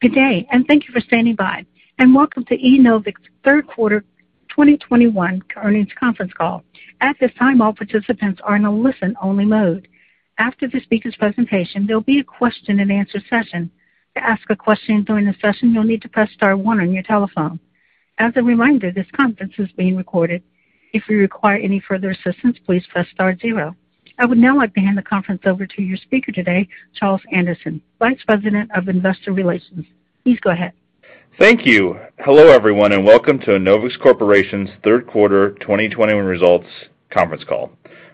Good day, and thank you for standing by. Welcome to Enovix Third Quarter 2021 Earnings Conference Call. At this time, all participants are in a listen-only mode. After the speaker's presentation, there'll be a question-and-answer session. To ask a question during the session, you'll need to press star one on your telephone. As a reminder, this conference is being recorded. If you require any further assistance, please press star zero. I would now like to hand the conference over to your speaker today, Charlie Anderson, Vice President of Investor Relations. Please go ahead. Thank you. Hello, everyone, and welcome to Enovix Corporation's third quarter 2021 results conference call.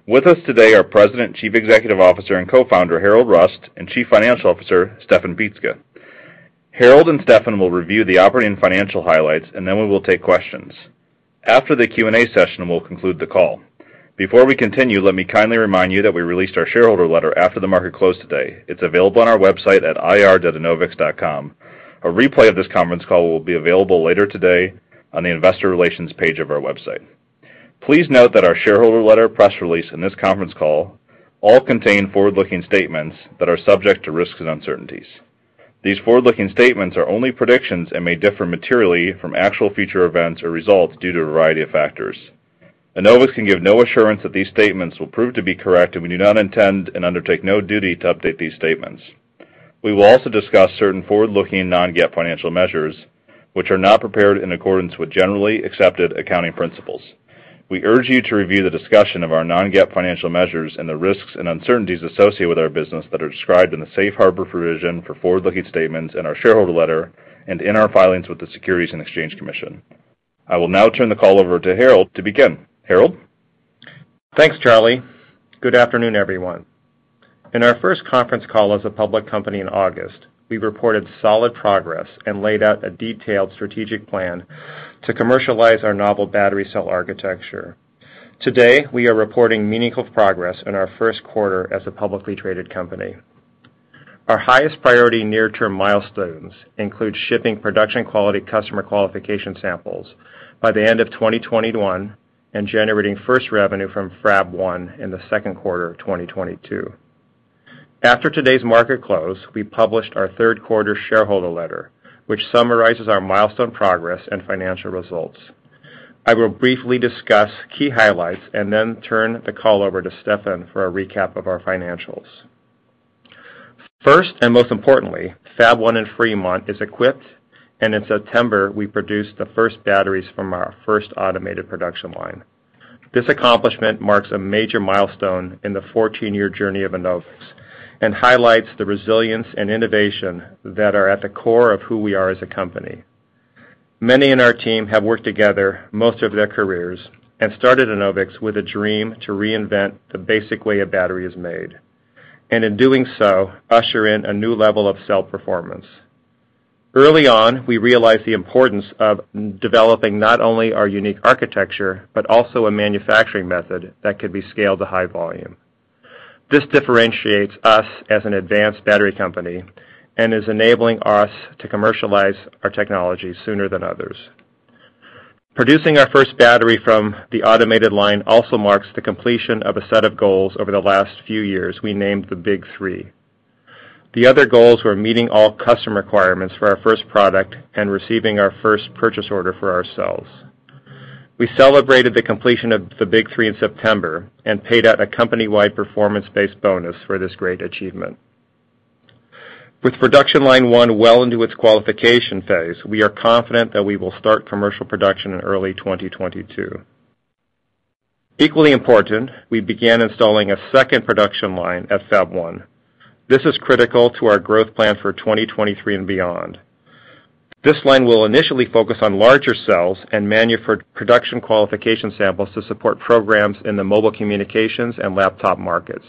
With us today are President, Chief Executive Officer, and Co-Founder, Harrold Rust, and Chief Financial Officer, Steffen Pietzke. Harrold and Steffen will review the operating financial highlights, and then we will take questions. After the Q&A session, we'll conclude the call. Before we continue, let me kindly remind you that we released our shareholder letter after the market closed today. It's available on our website at ir.enovix.com. A replay of this conference call will be available later today on the investor relations page of our website. Please note that our shareholder letter, press release and this conference call all contain forward-looking statements that are subject to risks and uncertainties. These forward-looking statements are only predictions and may differ materially from actual future events or results due to a variety of factors. Enovix can give no assurance that these statements will prove to be correct, and we do not intend and undertake no duty to update these statements. We will also discuss certain forward-looking non-GAAP financial measures, which are not prepared in accordance with generally accepted accounting principles. We urge you to review the discussion of our non-GAAP financial measures and the risks and uncertainties associated with our business that are described in the safe harbor provision for forward-looking statements in our shareholder letter and in our filings with the Securities and Exchange Commission. I will now turn the call over to Harrold to begin. Harrold. Thanks, Charlie. Good afternoon, everyone. In our first conference call as a public company in August, we reported solid progress and laid out a detailed strategic plan to commercialize our novel battery cell architecture. Today, we are reporting meaningful progress in our first quarter as a publicly traded company. Our highest priority near-term milestones include shipping production quality customer qualification samples by the end of 2021 and generating first revenue from Fab-1 in the second quarter of 2022. After today's market close, we published our third quarter shareholder letter, which summarizes our milestone progress and financial results. I will briefly discuss key highlights and then turn the call over to Steffen for a recap of our financials. First, and most importantly, Fab-1 in Fremont is equipped, and in September, we produced the first batteries from our first automated production line. This accomplishment marks a major milestone in the 14-year journey of Enovix and highlights the resilience and innovation that are at the core of who we are as a company. Many in our team have worked together most of their careers and started Enovix with a dream to reinvent the basic way a battery is made, and in doing so, usher in a new level of cell performance. Early on, we realized the importance of developing not only our unique architecture, but also a manufacturing method that could be scaled to high volume. This differentiates us as an advanced battery company and is enabling us to commercialize our technology sooner than others. Producing our first battery from the automated line also marks the completion of a set of goals over the last few years we named The Big Three. The other goals were meeting all customer requirements for our first product and receiving our first purchase order for our cells. We celebrated the completion of The Big Three in September and paid out a company-wide performance-based bonus for this great achievement. With production line one well into its qualification phase, we are confident that we will start commercial production in early 2022. Equally important, we began installing a second production line at Fab-1. This is critical to our growth plan for 2023 and beyond. This line will initially focus on larger cells and manufacture production qualification samples to support programs in the mobile communications and laptop markets.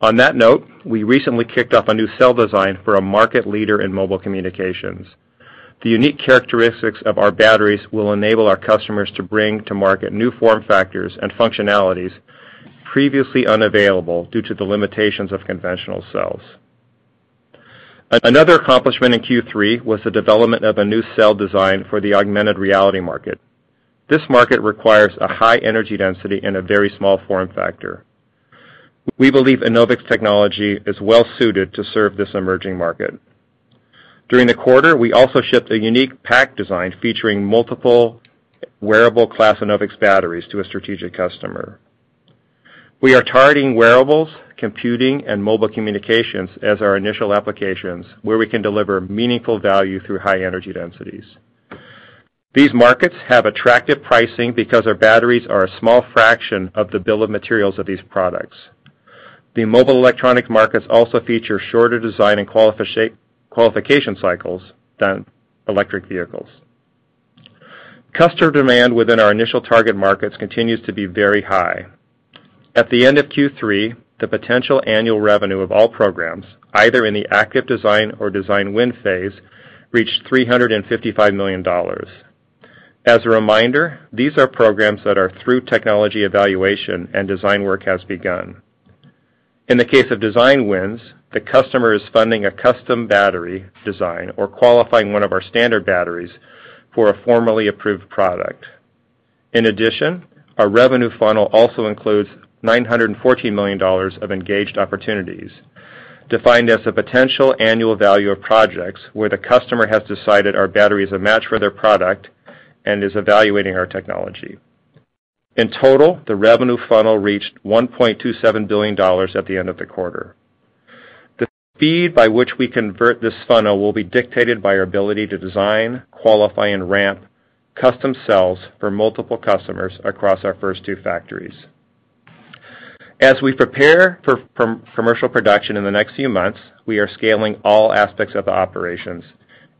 On that note, we recently kicked off a new cell design for a market leader in mobile communications. The unique characteristics of our batteries will enable our customers to bring to market new form factors and functionalities previously unavailable due to the limitations of conventional cells. Another accomplishment in Q3 was the development of a new cell design for the augmented reality market. This market requires a high energy density in a very small form factor. We believe Enovix technology is well suited to serve this emerging market. During the quarter, we also shipped a unique pack design featuring multiple wearable class Enovix batteries to a strategic customer. We are targeting wearables, computing, and mobile communications as our initial applications where we can deliver meaningful value through high energy densities. These markets have attractive pricing because our batteries are a small fraction of the bill of materials of these products. The mobile electronic markets also feature shorter design and qualification cycles than electric vehicles. Customer demand within our initial target markets continues to be very high. At the end of Q3, the potential annual revenue of all programs, either in the active design or design win phase, reached $355 million. As a reminder, these are programs that are through technology evaluation and design work has begun. In the case of design wins, the customer is funding a custom battery design or qualifying one of our standard batteries for a formally approved product. In addition, our revenue funnel also includes $914 million of engaged opportunities, defined as the potential annual value of projects where the customer has decided our battery is a match for their product and is evaluating our technology. In total, the revenue funnel reached $1.27 billion at the end of the quarter. The speed by which we convert this funnel will be dictated by our ability to design, qualify, and ramp custom cells for multiple customers across our first two factories. As we prepare for commercial production in the next few months, we are scaling all aspects of the operations,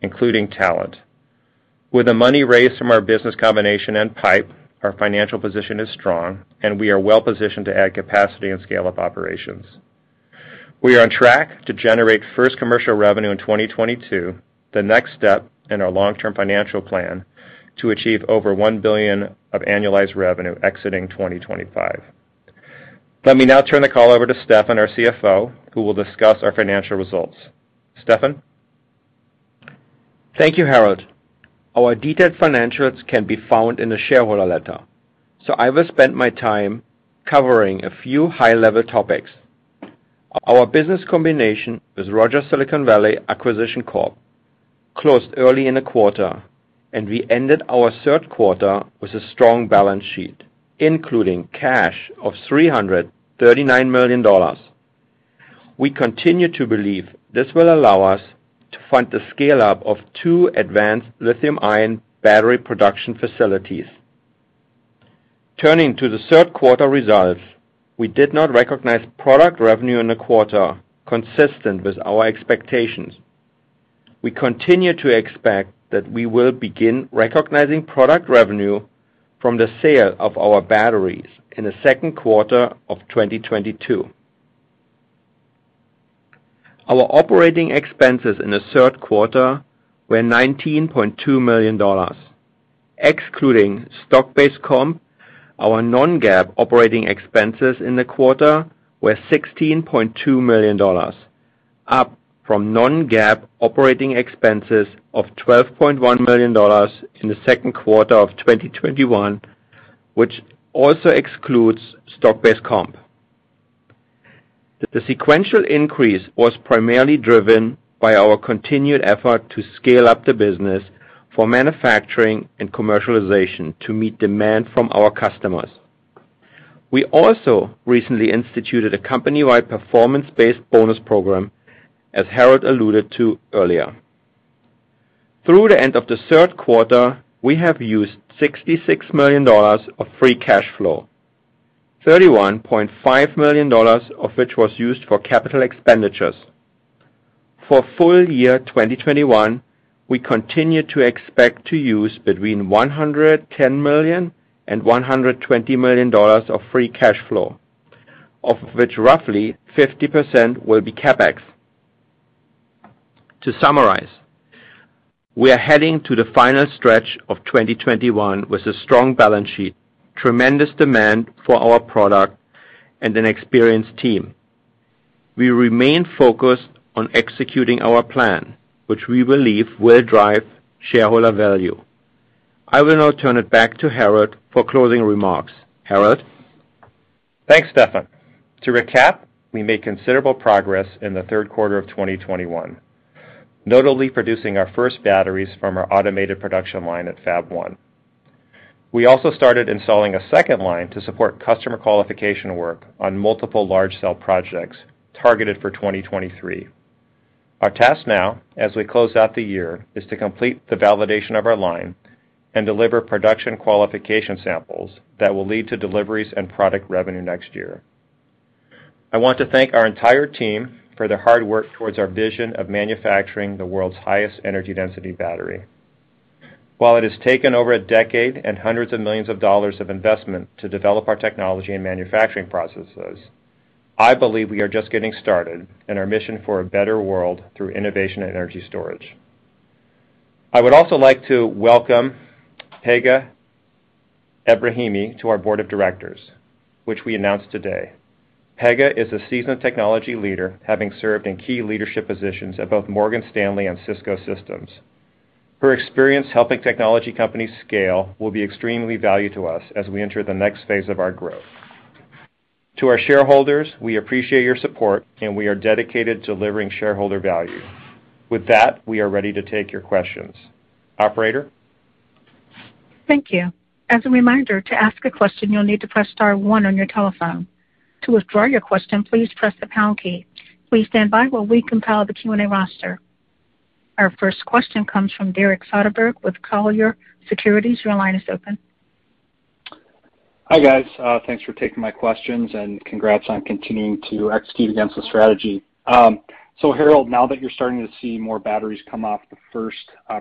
including talent. With the money raised from our business combination and PIPE, our financial position is strong, and we are well-positioned to add capacity and scale up operations. We are on track to generate first commercial revenue in 2022, the next step in our long-term financial plan to achieve over $1 billion of annualized revenue exiting 2025. Let me now turn the call over to Steffen, our CFO, who will discuss our financial results. Steffen? Thank you, Harrold. Our detailed financials can be found in the shareholder letter. I will spend my time covering a few high-level topics. Our business combination with Rodgers Silicon Valley Acquisition Corp. closed early in the quarter, and we ended our third quarter with a strong balance sheet, including cash of $339 million. We continue to believe this will allow us to fund the scale up of two advanced lithium-ion battery production facilities. Turning to the third quarter results, we did not recognize product revenue in the quarter consistent with our expectations. We continue to expect that we will begin recognizing product revenue from the sale of our batteries in the second quarter of 2022. Our operating expenses in the third quarter were $19.2 million. Excluding stock-based comp, our non-GAAP operating expenses in the quarter were $16.2 million, up from non-GAAP operating expenses of $12.1 million in the second quarter of 2021, which also excludes stock-based comp. The sequential increase was primarily driven by our continued effort to scale up the business for manufacturing and commercialization to meet demand from our customers. We also recently instituted a company-wide performance-based bonus program, as Harrold alluded to earlier. Through the end of the third quarter, we have used $66 million of free cash flow, $31.5 million of which was used for capital expenditures. For full year 2021, we continue to expect to use between $110 million and $120 million of free cash flow, of which roughly 50% will be CapEx. To summarize, we are heading to the final stretch of 2021 with a strong balance sheet, tremendous demand for our product, and an experienced team. We remain focused on executing our plan, which we believe will drive shareholder value. I will now turn it back to Harrold for closing remarks. Harrold? Thanks, Steffen. To recap, we made considerable progress in the third quarter of 2021, notably producing our first batteries from our automated production line at Fab-1. We also started installing a second line to support customer qualification work on multiple large cell projects targeted for 2023. Our task now, as we close out the year, is to complete the validation of our line and deliver production qualification samples that will lead to deliveries and product revenue next year. I want to thank our entire team for their hard work towards our vision of manufacturing the world's highest energy density battery. While it has taken over a decade and hundreds of millions of dollars of investment to develop our technology and manufacturing processes, I believe we are just getting started in our mission for a better world through innovation and energy storage. I would also like to welcome Pegah Ebrahimi to our board of directors, which we announced today. Pegah is a seasoned technology leader, having served in key leadership positions at both Morgan Stanley and Cisco Systems. Her experience helping technology companies scale will be extremely valued to us as we enter the next phase of our growth. To our shareholders, we appreciate your support, and we are dedicated to delivering shareholder value. With that, we are ready to take your questions. Operator? Thank you. As a reminder, to ask a question, you'll need to press star one on your telephone. To withdraw your question, please press the pound key. Please stand by while we compile the Q&A roster. Our first question comes from Derek Soderberg with Colliers Securities. Your line is open. Hi, guys. Thanks for taking my questions and congrats on continuing to execute against the strategy. Harrold, now that you're starting to see more batteries come off the first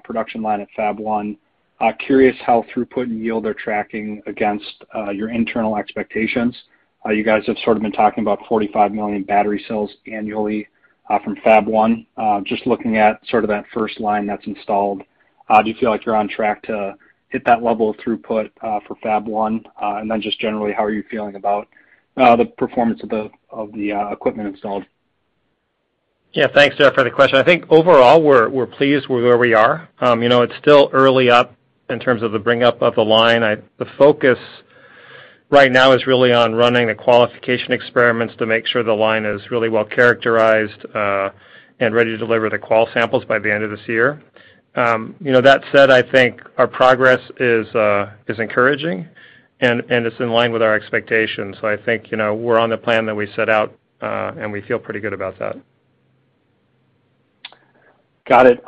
production line at Fab-1, curious how throughput and yield are tracking against your internal expectations. You guys have sort of been talking about 45 million battery cells annually from Fab-1. Just looking at sort of that first line that's installed, do you feel like you're on track to hit that level of throughput for Fab-1? Just generally, how are you feeling about the performance of the equipment installed? Yeah. Thanks, Derek, for the question. I think overall, we're pleased with where we are. You know, it's still early up in terms of the bring up of the line. The focus right now is really on running the qualification experiments to make sure the line is really well characterized and ready to deliver the qual samples by the end of this year. You know, that said, I think our progress is encouraging and it's in line with our expectations. I think, you know, we're on the plan that we set out and we feel pretty good about that. Got it.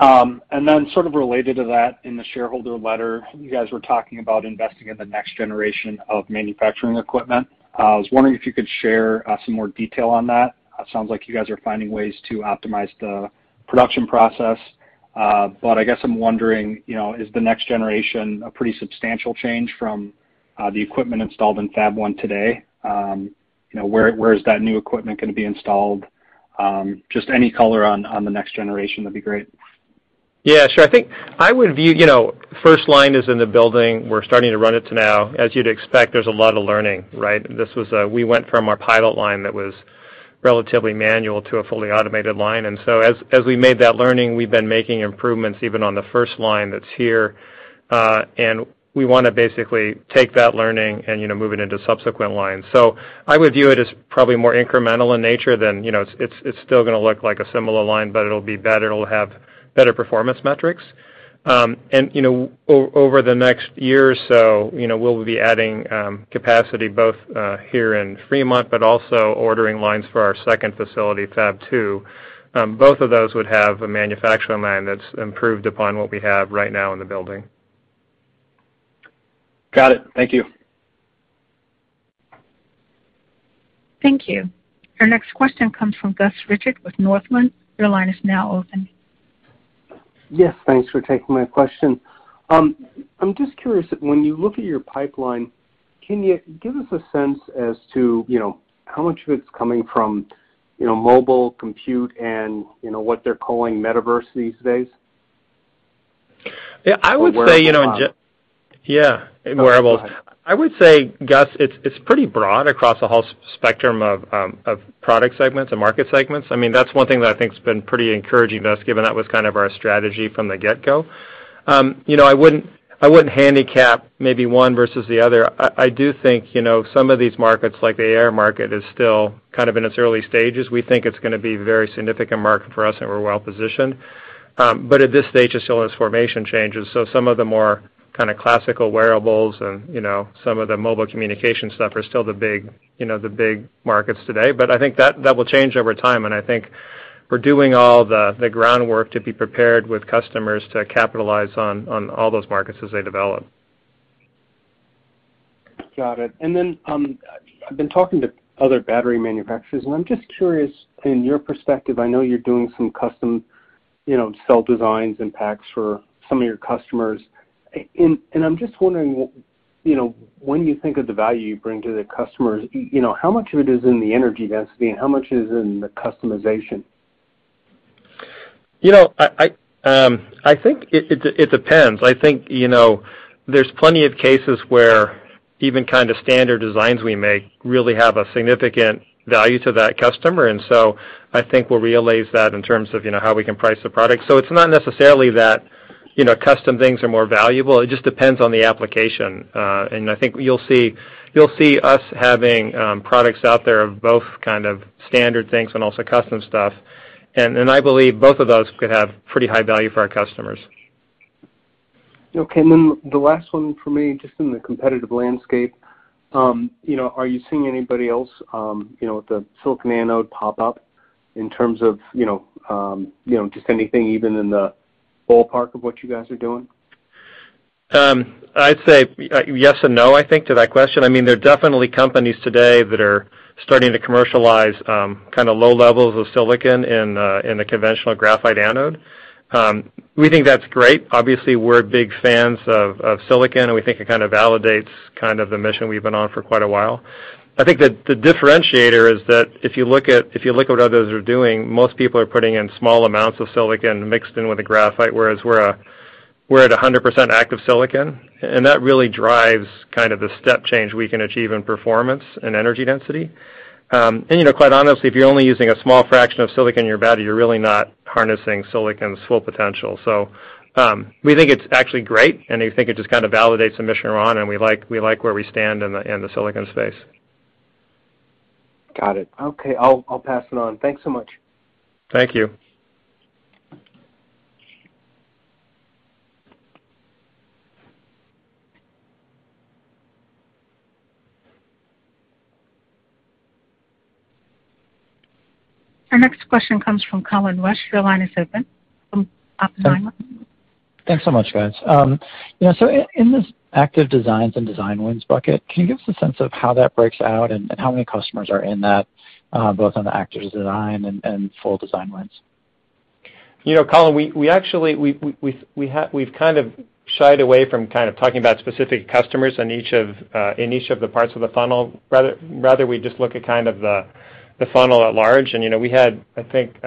Sort of related to that, in the shareholder letter, you guys were talking about investing in the next generation of manufacturing equipment. I was wondering if you could share some more detail on that. It sounds like you guys are finding ways to optimize the production process. I guess I'm wondering, you know, is the next generation a pretty substantial change from the equipment installed in Fab-1 today? You know, where is that new equipment gonna be installed? Just any color on the next generation would be great. Yeah, sure. I think I would view, you know, first line is in the building. We're starting to run it now. As you'd expect, there's a lot of learning, right? We went from our pilot line that was relatively manual to a fully automated line. As we made that learning, we've been making improvements even on the first line that's here. We wanna basically take that learning and, you know, move it into subsequent lines. I would view it as probably more incremental in nature than, you know, it's still gonna look like a similar line, but it'll be better. It'll have better performance metrics. You know, over the next year or so, you know, we'll be adding capacity both here in Fremont, but also ordering lines for our second facility, Fab-2. Both of those would have a manufacturing line that's improved upon what we have right now in the building. Got it. Thank you. Thank you. Our next question comes from Gus Richard with Northland. Your line is now open. Yes, thanks for taking my question. I'm just curious, when you look at your pipeline, can you give us a sense as to, you know, how much of it's coming from, you know, mobile, compute and, you know, what they're calling metaverse these days? Yeah, I would say, you know. wearable products. Yeah, in wearable. Okay. Go ahead. I would say, Gus, it's pretty broad across a whole spectrum of product segments and market segments. I mean, that's one thing that I think has been pretty encouraging to us, given that was kind of our strategy from the get-go. You know, I wouldn't handicap maybe one versus the other. I do think, you know, some of these markets, like the AR market, is still kind of in its early stages. We think it's gonna be a very significant market for us, and we're well positioned. At this stage, it still is formative stages. Some of the more kind of classical wearables and, you know, some of the mobile communication stuff are still the big, you know, the big markets today. I think that will change over time, and I think we're doing all the groundwork to be prepared with customers to capitalize on all those markets as they develop. Got it. I've been talking to other battery manufacturers, and I'm just curious, in your perspective, I know you're doing some custom, you know, cell designs and packs for some of your customers. I'm just wondering, you know, when you think of the value you bring to the customers, you know, how much of it is in the energy density and how much is in the customization? You know, I think it depends. I think, you know, there's plenty of cases where even kind of standard designs we make really have a significant value to that customer. I think we'll realize that in terms of, you know, how we can price the product. It's not necessarily that, you know, custom things are more valuable. It just depends on the application. I think you'll see us having products out there of both kind of standard things and also custom stuff. I believe both of those could have pretty high value for our customers. Okay. The last one for me, just in the competitive landscape, you know, are you seeing anybody else, you know, with the silicon anode pop up in terms of, you know, you know, just anything even in the ballpark of what you guys are doing? I'd say yes and no, I think, to that question. I mean, there are definitely companies today that are starting to commercialize kind of low levels of silicon in the conventional graphite anode. We think that's great. Obviously, we're big fans of silicon, and we think it kind of validates kind of the mission we've been on for quite a while. I think that the differentiator is that if you look at what others are doing, most people are putting in small amounts of silicon mixed in with the graphite, whereas we're at 100% active silicon, and that really drives kind of the step change we can achieve in performance and energy density. You know, quite honestly, if you're only using a small fraction of silicon in your battery, you're really not harnessing silicon's full potential. We think it's actually great, and I think it just kind of validates the mission we're on, and we like where we stand in the silicon space. Got it. Okay. I'll pass it on. Thanks so much. Thank you. Our next question comes from Colin Rusch. Your line is open from Oppenheimer. Thanks so much, guys. Yeah, in this active designs and design wins bucket, can you give us a sense of how that breaks out and how many customers are in that, both on the active design and full design wins? You know, Colin, we've kind of shied away from kind of talking about specific customers in each of the parts of the funnel. Rather, we just look at kind of the funnel at large. You know, I think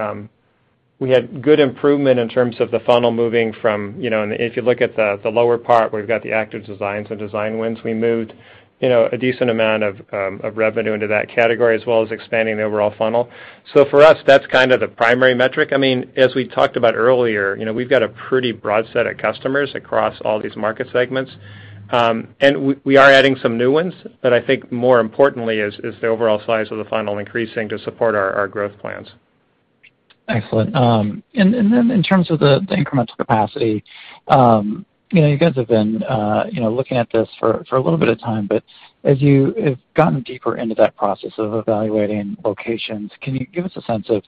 we had good improvement in terms of the funnel moving from, you know, and if you look at the lower part where we've got the active designs and design wins, we moved, you know, a decent amount of revenue into that category, as well as expanding the overall funnel. For us, that's kind of the primary metric. I mean, as we talked about earlier, you know, we've got a pretty broad set of customers across all these market segments. We are adding some new ones, but I think more importantly is the overall size of the funnel increasing to support our growth plans. Excellent. In terms of the incremental capacity, you know, you guys have been, you know, looking at this for a little bit of time. As you have gotten deeper into that process of evaluating locations, can you give us a sense of,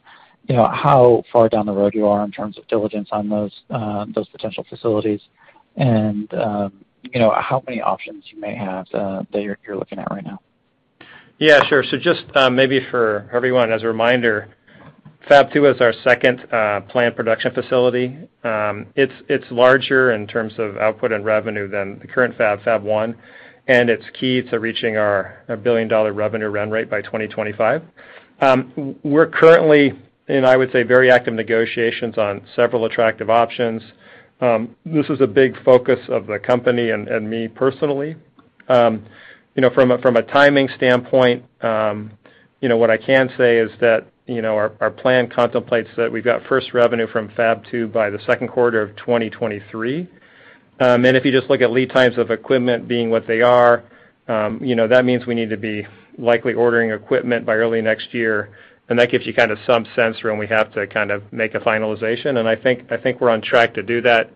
you know, how far down the road you are in terms of diligence on those potential facilities and, you know, how many options you may have, that you're looking at right now? Yeah, sure. Just, maybe for everyone as a reminder, Fab-2 is our second plant production facility. It's larger in terms of output and revenue than the current Fab-1, and it's key to reaching our billion-dollar revenue run rate by 2025. We're currently in, I would say, very active negotiations on several attractive options. This is a big focus of the company and me personally. You know, from a timing standpoint, you know, what I can say is that, you know, our plan contemplates that we've got first revenue from Fab-2 by the second quarter of 2023. If you just look at lead times of equipment being what they are, you know, that means we need to be likely ordering equipment by early next year. That gives you kind of some sense for when we have to kind of make a finalization. I think we're on track to do that.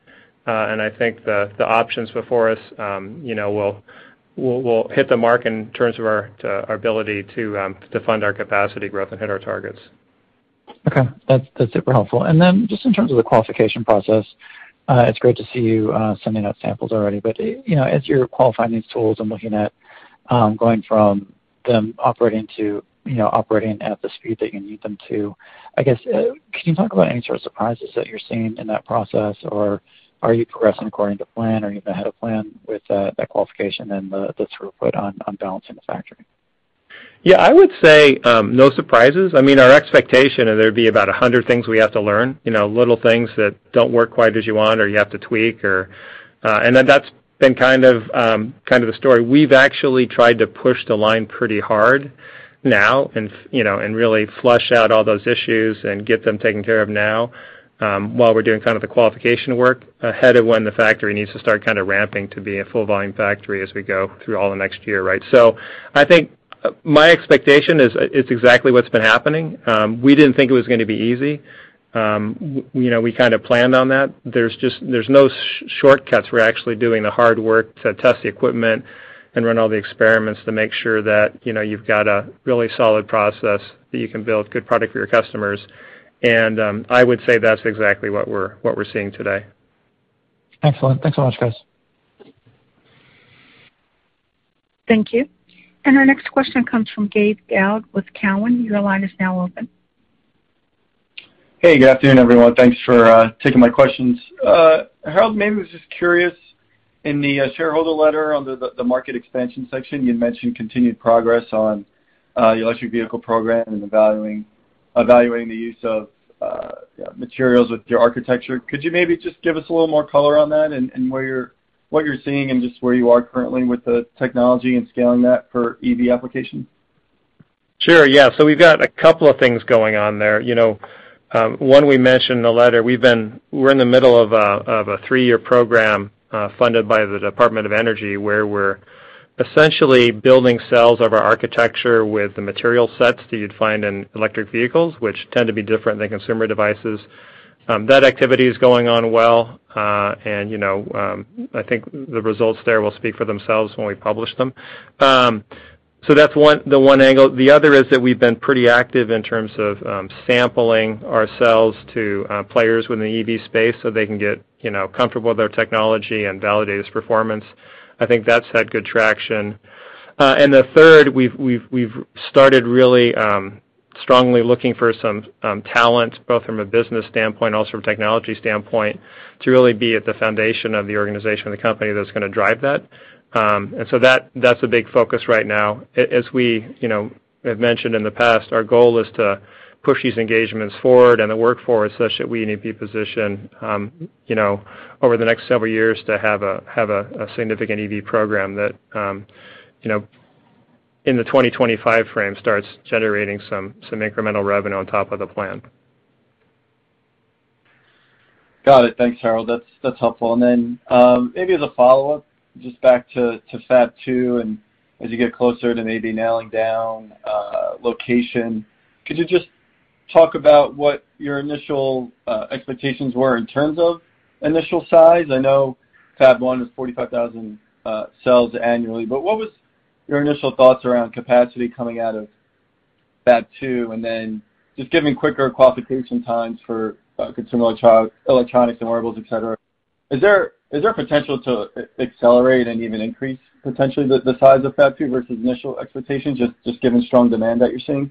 I think the options before us, you know, will hit the mark in terms of our ability to fund our capacity growth and hit our targets. Okay. That's super helpful. Then just in terms of the qualification process, it's great to see you sending out samples already. You know, as you're qualifying these tools and looking at going from them operating to, you know, operating at the speed that you need them to, I guess, can you talk about any sort of surprises that you're seeing in that process, or are you progressing according to plan? Are you even ahead of plan with that qualification and the throughput on balancing the factory? Yeah, I would say no surprises. I mean, our expectation is there'd be about 100 things we have to learn, you know, little things that don't work quite as you want or you have to tweak or, and then that's been kind of the story. We've actually tried to push the line pretty hard now and, you know, and really flush out all those issues and get them taken care of now, while we're doing kind of the qualification work ahead of when the factory needs to start kind of ramping to be a full volume factory as we go through all of next year, right? I think my expectation is exactly what's been happening. We didn't think it was gonna be easy. We kind of planned on that. There's just no shortcuts. We're actually doing the hard work to test the equipment and run all the experiments to make sure that, you know, you've got a really solid process that you can build good product for your customers. I would say that's exactly what we're seeing today. Excellent. Thanks so much, guys. Thank you. Our next question comes from Gabe Daoud with Cowen. Your line is now open. Hey, good afternoon, everyone. Thanks for taking my questions. Harrold, maybe just curious, in the shareholder letter under the market expansion section, you'd mentioned continued progress on the electric vehicle program and evaluating the use of materials with your architecture. Could you maybe just give us a little more color on that and what you're seeing and just where you are currently with the technology and scaling that for EV applications? Sure, yeah. We've got a couple of things going on there. You know, one we mentioned in the letter, we're in the middle of a three-year program funded by the Department of Energy, where we're essentially building cells of our architecture with the material sets that you'd find in electric vehicles, which tend to be different than consumer devices. That activity is going on well, and you know, I think the results there will speak for themselves when we publish them. That's one angle. The other is that we've been pretty active in terms of sampling our cells to players within the EV space so they can get you know, comfortable with our technology and validate its performance. I think that's had good traction. The third, we've started really strongly looking for some talent, both from a business standpoint and also from a technology standpoint, to really be at the foundation of the organization and the company that's gonna drive that. That's a big focus right now. As we, you know, have mentioned in the past, our goal is to push these engagements forward and the workforce such that we need to be positioned, you know, over the next several years to have a significant EV program that, you know, in the 2025 frame starts generating some incremental revenue on top of the plan. Got it. Thanks, Harrold. That's helpful. Maybe as a follow-up, just back to Fab-2 and as you get closer to maybe nailing down location, could you just talk about what your initial expectations were in terms of initial size? I know Fab-1 is 45,000 cells annually, but what was your initial thoughts around capacity coming out of Fab-2? Just given quicker qualification times for consumer electronics and wearables, et cetera, is there potential to accelerate and even increase potentially the size of Fab-2 versus initial expectations just given strong demand that you're seeing? Yeah,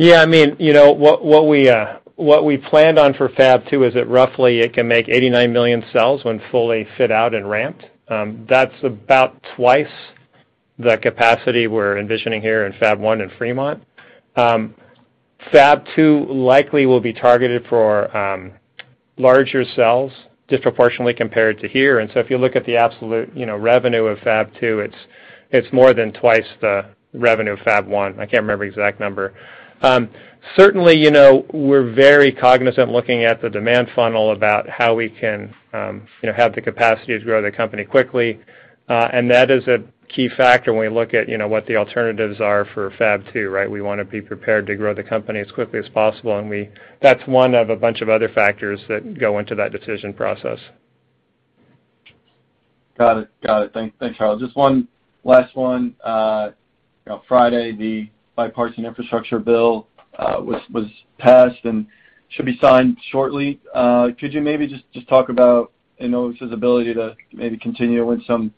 I mean, you know, what we planned on for Fab-2 is that roughly it can make 89 million cells when fully fit out and ramped. That's about twice the capacity we're envisioning here in Fab-1 in Fremont. Fab-2 likely will be targeted for larger cells disproportionately compared to here. If you look at the absolute, you know, revenue of Fab-2, it's more than twice the revenue of Fab-1. I can't remember the exact number. Certainly, you know, we're very cognizant looking at the demand funnel about how we can, you know, have the capacity to grow the company quickly. That is a key factor when we look at, you know, what the alternatives are for Fab-2, right? We wanna be prepared to grow the company as quickly as possible. That's one of a bunch of other factors that go into that decision process. Got it. Thanks, Harrold. Just one last one. You know, Friday, the bipartisan infrastructure bill was passed and should be signed shortly. Could you maybe just talk about, you know, its ability to maybe continue with some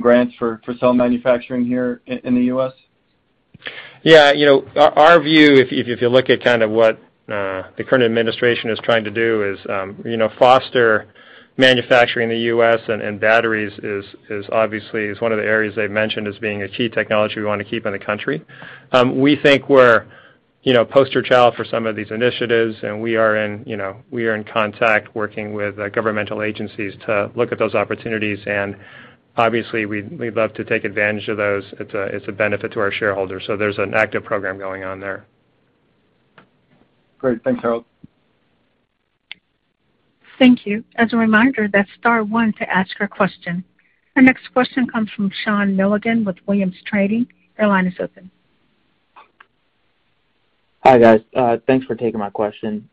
grants for cell manufacturing here in the U.S.? Yeah, you know, our view, if you look at kind of what the current administration is trying to do is, you know, foster manufacturing in the U.S. and batteries is obviously one of the areas they've mentioned as being a key technology we wanna keep in the country. We think we're, you know, poster child for some of these initiatives, and we are in contact working with governmental agencies to look at those opportunities. Obviously we'd love to take advantage of those. It's a benefit to our shareholders. There's an active program going on there. Great. Thanks, Harrold. Thank you. As a reminder, that's star one to ask a question. Our next question comes from Sean Milligan with Williams Trading. Your line is open. Hi, guys. Thanks for taking my question.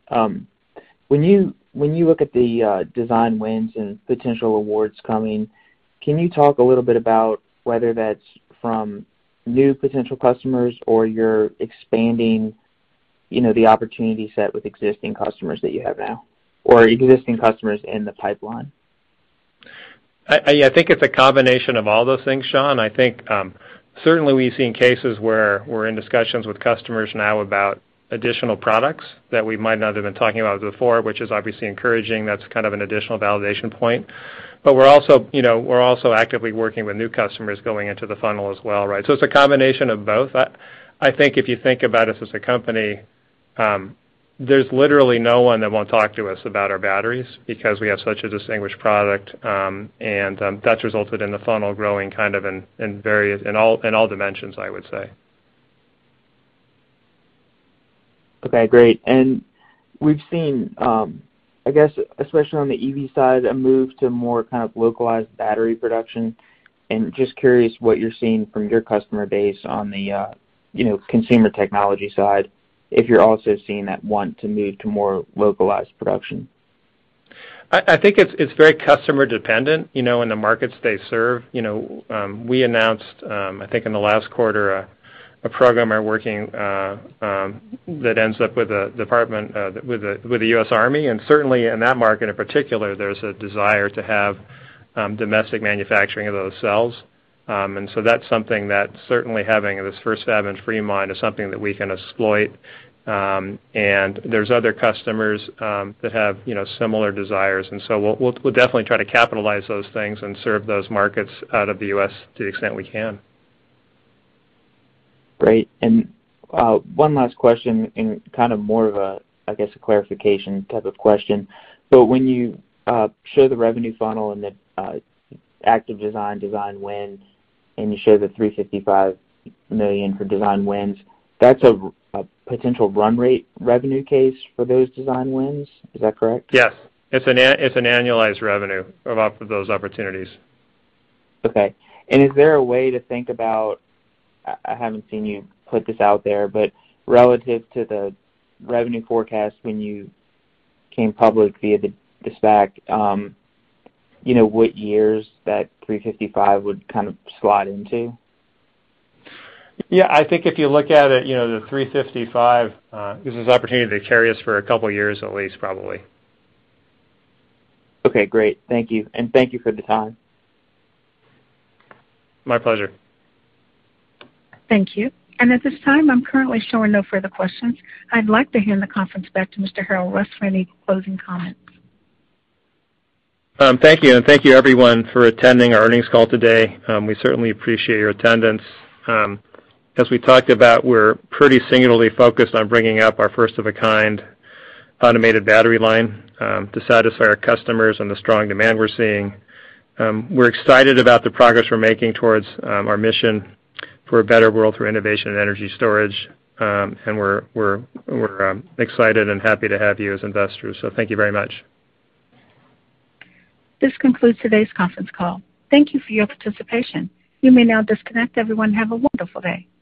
When you look at the design wins and potential awards coming, can you talk a little bit about whether that's from new potential customers or you're expanding, you know, the opportunity set with existing customers that you have now, or existing customers in the pipeline? I think it's a combination of all those things, Sean. I think certainly we've seen cases where we're in discussions with customers now about additional products that we might not have been talking about before, which is obviously encouraging. That's kind of an additional validation point. We're also actively working with new customers going into the funnel as well, right? It's a combination of both. I think if you think about us as a company, there's literally no one that won't talk to us about our batteries because we have such a distinguished product, and that's resulted in the funnel growing kind of in all dimensions, I would say. Okay, great. We've seen, I guess, especially on the EV side, a move to more kind of localized battery production. Just curious what you're seeing from your customer base on the, you know, consumer technology side, if you're also seeing that want to move to more localized production. I think it's very customer dependent, you know, in the markets they serve. You know, we announced, I think in the last quarter, a program we're working that ends up with the U.S. Army. Certainly in that market in particular, there's a desire to have domestic manufacturing of those cells. That's something that certainly having this Fab-1 in Fremont is something that we can exploit. And there's other customers that have, you know, similar desires. We'll definitely try to capitalize those things and serve those markets out of the U.S. to the extent we can. Great. One last question, and kind of more of a, I guess, a clarification type of question. When you show the revenue funnel and the active design wins, and you show the $355 million for design wins, that's a potential run rate revenue case for those design wins. Is that correct? Yes. It's an annualized revenue of those opportunities. Okay. Is there a way to think about, I haven't seen you put this out there, but relative to the revenue forecast when you came public via the SPAC, you know what years that 355 would kind of slot into? Yeah. I think if you look at it, you know, the $355 gives us opportunity to carry us for a couple of years at least, probably. Okay, great. Thank you. Thank you for the time. My pleasure. Thank you. At this time, I'm currently showing no further questions. I'd like to hand the conference back to Mr. Harrold Rust for any closing comments. Thank you. Thank you everyone for attending our earnings call today. We certainly appreciate your attendance. As we talked about, we're pretty singularly focused on bringing up our first of a kind automated battery line to satisfy our customers and the strong demand we're seeing. We're excited about the progress we're making towards our mission for a better world through innovation in energy storage. We're excited and happy to have you as investors. Thank you very much. This concludes today's conference call. Thank you for your participation. You may now disconnect. Everyone, have a wonderful day.